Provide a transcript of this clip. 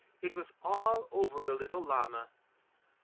it was all over the little llama.